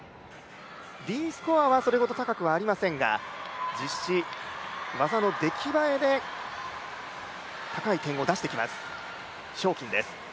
Ｄスコアはそれほど高くありませんが、実施、技の出来栄えで高い点を出してきます、章キンです。